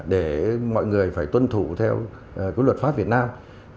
để mọi người phải tuân thủ theo luật pháp việt nam